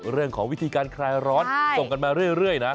เรื่องของวิธีการคลายร้อนส่งกันมาเรื่อยนะ